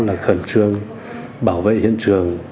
là khẩn trương bảo vệ hiện trường